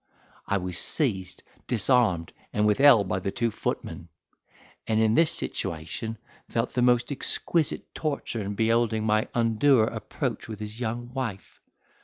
I was seized, disarmed, and withheld by two footmen; and in this situation felt the most exquisite torture in beholding my undoer approach with his young wife.